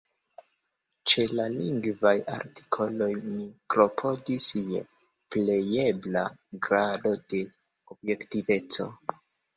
Ĉe la lingvaj artikoloj ni klopodis je plejebla grado de objektiveco.